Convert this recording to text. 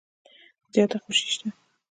زیاته خوشي شته .